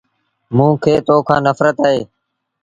موݩ کي تو کآݩ نڦرت اهي۔